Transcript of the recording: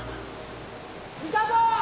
いたぞ！